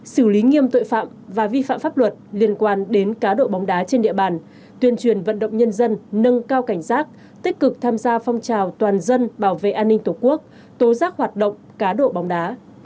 xử lý nghiêm tội phạm và vi phạm pháp luật liên quan đến cá độ bóng đá trên địa bàn tuyên truyền vận động nhân dân nâng cao cảnh giác tích cực tham gia phong trào toàn dân bảo vệ an ninh tổ quốc tố giác hoạt động cá độ bóng đá